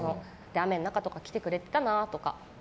雨の中とか来てくれてたなとか。